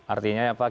artinya ya pak